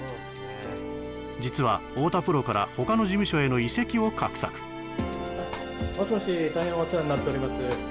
実は太田プロから他の事務所への移籍を画策もしもし大変お世話になっております